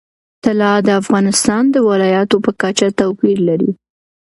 طلا د افغانستان د ولایاتو په کچه توپیر لري.